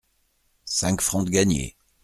Cinq francs de gagnés !